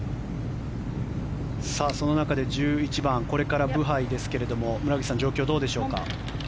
その中で１１番これからブハイですが村口さん状況どうでしょうか。